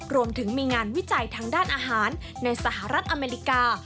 รวมถึงมีงานวิจัยทางด้านอาหารในสหรัฐอเมริกา